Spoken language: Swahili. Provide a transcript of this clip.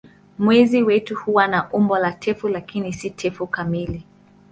Mwezi wetu huwa na umbo la tufe lakini si tufe kamili.